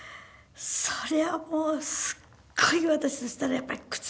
そりゃもうすっごい私としたらやっぱり屈辱。